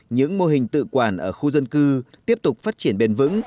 những mô hình tự quản ở khu dân cư tiếp tục phát triển bền vững